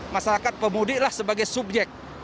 masyarakat pemudiklah sebagai subjek